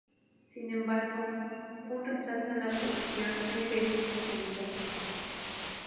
Sin embargo un retraso en la producción ha impedido su publicación.